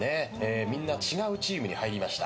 みんな違うチームに入りました。